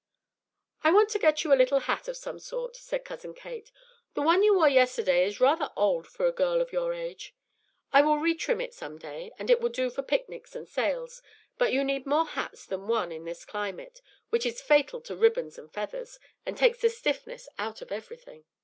"I want to get you a little hat of some sort," said Cousin Kate. "The one you wore yesterday is rather old for a girl of your age. I will retrim it some day, and it will do for picnics and sails, but you need more hats than one in this climate, which is fatal to ribbons and feathers, and takes the stiffness out of everything."